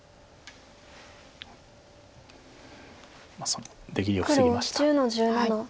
その出切りを防ぎました。